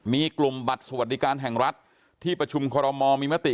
มีกลุ่มบัตรสวัสดิการแห่งรัฐที่ประชุมคอรมอลมีมติ